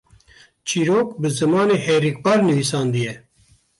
çîrok bi zimanê herikbar nivîsandiye